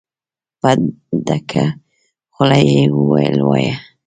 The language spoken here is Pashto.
په ډکه خوله يې وويل: وايه!